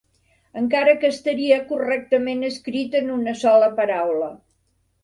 Encara que estaria correctament escrit en una sola paraula.